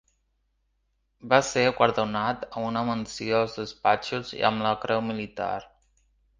Va ser guardonat amb una Menció als Despatxos i amb la Creu Militar.